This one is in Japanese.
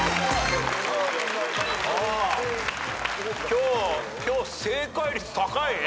今日今日正解率高いね。